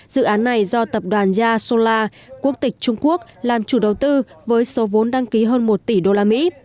dự án này do tập đoàn zia solar quốc tịch trung quốc làm chủ đầu tư với số vốn đăng ký hơn một tỷ usd